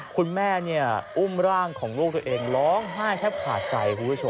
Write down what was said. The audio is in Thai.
คุณแม่อุ้มร่างของลูกตัวเองร้องไห้แทบขาดใจคุณผู้ชม